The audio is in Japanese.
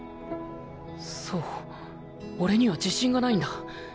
そう俺には自信がないんだ。